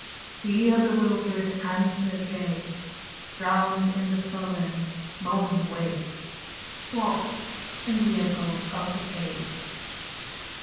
He a bewildered answer gave, Drowned in the sullen moaning wave, Lost in the echoes of the cave.